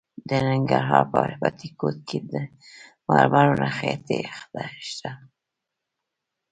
د ننګرهار په بټي کوټ کې د مرمرو نښې شته.